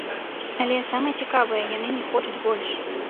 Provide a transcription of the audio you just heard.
Але, самае цікавае, яны не хочуць больш.